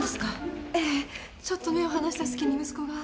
ええちょっと目を離した隙に息子が。